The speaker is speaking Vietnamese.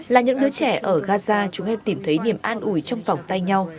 là những đứa trẻ ở gaza chúng em tìm thấy niềm an ủi trong vòng tay nhau